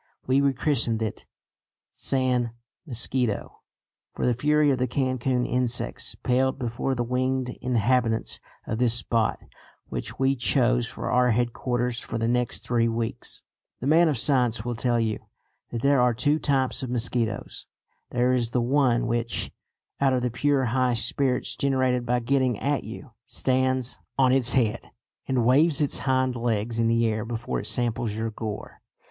We rechristened it San Mosquito, for the fury of the Cancun insects paled before the winged inhabitants of this spot which we chose for our headquarters for the next three weeks. The man of science will tell you that there are two types of mosquitoes. There is the one which, out of the pure high spirits generated by getting at you, stands on its head and waves its hind legs in the air before it samples your gore.